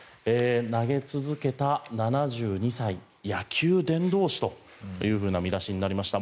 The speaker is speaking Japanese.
投げ続けた７２歳野球伝道師という見出しになりました。